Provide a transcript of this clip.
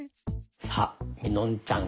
さあみのんちゃん